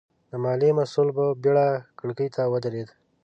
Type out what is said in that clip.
د ماليې مسوول په بېړه کړکۍ ته ودرېد.